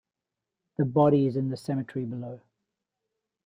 The body is in the cemetery below.